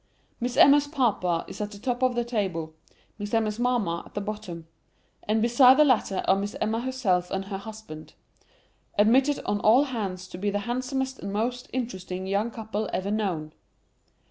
Miss Emma's papa is at the top of the table; Miss Emma's mamma at the bottom; and beside the latter are Miss Emma herself and her husband,—admitted on all hands to be the handsomest and most interesting young couple ever known.